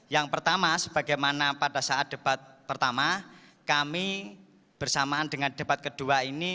yang pertama sebagaimana pada saat debat pertama kami bersamaan dengan debat kedua ini